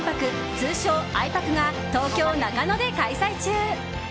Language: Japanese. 通称あいぱくが東京・中野で開催中。